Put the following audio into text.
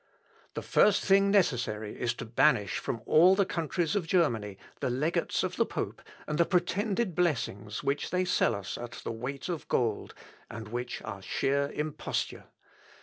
"The first thing necessary is to banish from all the countries of Germany, the legates of the pope, and the pretended blessings which they sell us at the weight of gold, and which are sheer imposture.